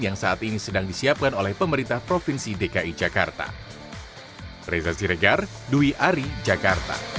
yang saat ini sedang disiapkan oleh pemerintah provinsi dki jakarta